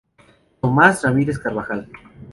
Tomás Ramírez Carvajal.